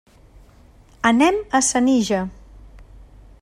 Anem a Senija.